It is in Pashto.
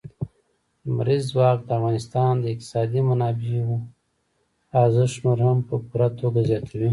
لمریز ځواک د افغانستان د اقتصادي منابعم ارزښت نور هم په پوره توګه زیاتوي.